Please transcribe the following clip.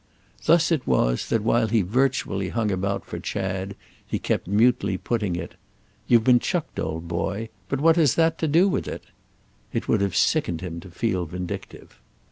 Thus it was that while he virtually hung about for Chad he kept mutely putting it: "You've been chucked, old boy; but what has that to do with it?" It would have sickened him to feel vindictive.